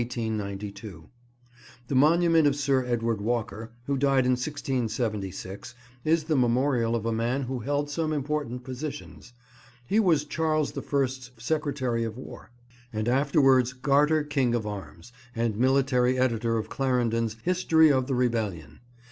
The monument of Sir Edward Walker, who died in 1676, is the memorial of a man who held some important positions. He was Charles the First's Secretary of War, and afterwards Garter King of Arms and military editor of Clarendon's History of the Rebellion.